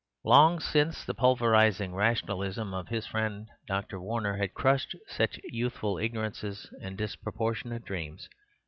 Long since the pulverizing rationalism of his friend Dr. Warner had crushed such youthful ignorances and disproportionate dreams.